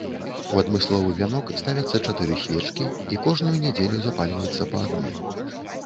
У адмысловы вянок ставіцца чатыры свечкі і кожную нядзелю запальваецца па адной.